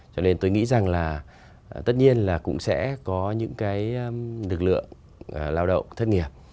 cho nên tôi nghĩ rằng là tất nhiên là cũng sẽ có những cái lực lượng lao động thất nghiệp